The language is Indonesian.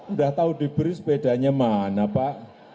udah tahu diberi sepedanya mana pak